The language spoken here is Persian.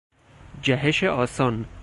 جهش آسان